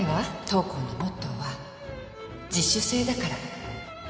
当校のモットーは自主性だから